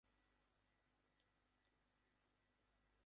সাহায্য করতে পেরে সবসময়ই খুশি।